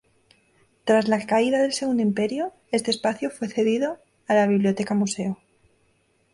Tras la caída del Segundo Imperio, este espacio fue cedido a la Biblioteca-museo.